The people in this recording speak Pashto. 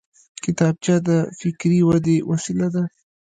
کتابچه د فکري ودې وسیله ده